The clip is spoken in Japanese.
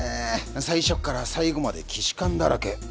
最初から最後まで既視感だらけ。